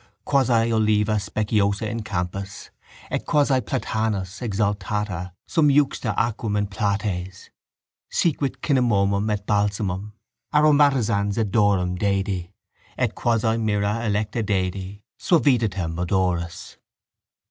Quasi uliva speciosa in campis et quasi platanus exaltata sum juxta aquam in plateis. Sicut cinnamomum et balsamum aromatizans odorem dedi et quasi myrrha electa dedi suavitatem odoris.